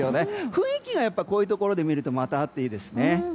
雰囲気がこういうところで見るとまたあっていいですね。